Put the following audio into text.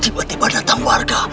tiba tiba datang warga